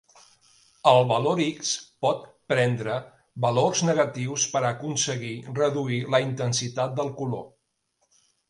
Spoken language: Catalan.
El valor x pot prendre valors negatius per a aconseguir reduir la intensitat del color.